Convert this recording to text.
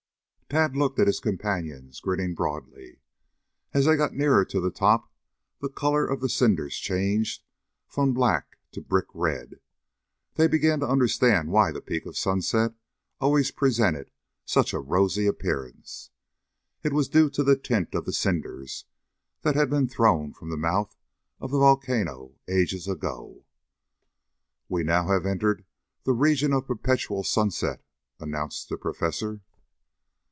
Tad looked at his companions, grinning broadly. As they got nearer to the top the color of the cinders changed from black to a brick red. They began to understand why the peak of Sunset always presented such a rosy appearance. It was due to the tint of the cinders that had been thrown from the mouth of the volcano ages ago. "We have now entered the region of perpetual sunset," announced the Professor.